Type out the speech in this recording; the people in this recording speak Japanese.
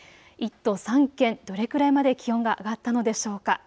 １都３県どれくらいまで気温が上がったのでしょうか。